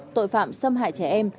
tội phạm xâm hại trẻ em